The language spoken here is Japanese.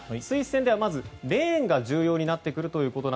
スイス戦ではまずレーンが重要になってくると。